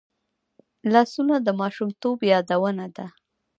لاسونه د ماشومتوب یادونه ده